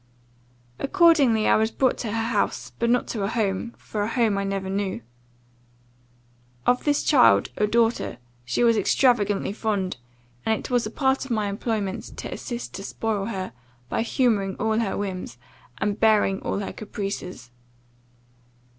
Accordingly I was brought to her house; but not to a home for a home I never knew. Of this child, a daughter, she was extravagantly fond; and it was a part of my employment, to assist to spoil her, by humouring all her whims, and bearing all her caprices.